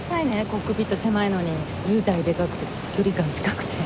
コックピット狭いのに図体でかくて距離感近くて。